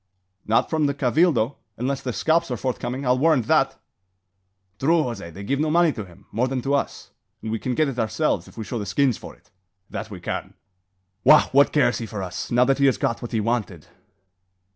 "Not from the Cabildo, unless the scalps are forthcoming; I'll warrant that." "True, Jose! They'll give no money to him, more than to us; and we can get it ourselves if we show the skins for it. That we can." "Wagh! what cares he for us, now that he has got what he wanted?"